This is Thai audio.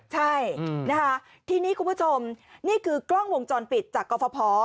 ใช่นะคะทีนี้คุณผู้ชมนี่คือกล้องวงจรปิดจากกรฟภ